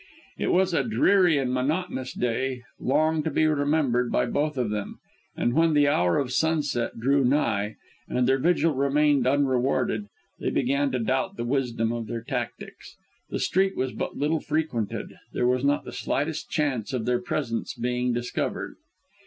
It was a dreary and monotonous day, long to be remembered by both of them, and when the hour of sunset drew nigh, and their vigil remained unrewarded, they began to doubt the wisdom of their tactics. The street was but little frequented; there was not the slightest chance of their presence being discovered.